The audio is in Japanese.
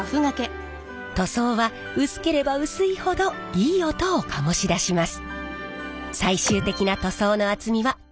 塗装は薄ければ薄いほどいい音を醸し出します。